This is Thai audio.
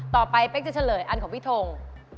ต่อไปเต๊กจะเฉลยอันของพี่ทง